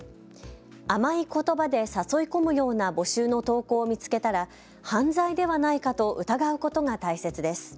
甘いことばで誘い込むような募集の投稿を見つけたら犯罪ではないかと疑うことが大切です。